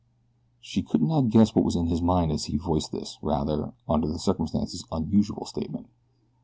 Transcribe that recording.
She could not guess what was in his mind as he voiced this rather, under the circumstances, unusual statement.